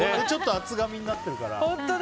ちょっと厚紙になってるから。